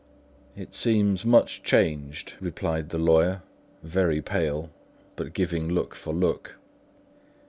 "It seems much changed," replied the lawyer, very pale, but giving look for look.